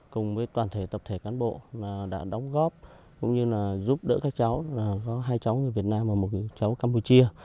cùng với toàn thể tập thể cán bộ đã đóng góp cũng như là giúp đỡ các cháu có hai cháu người việt nam và một cháu campuchia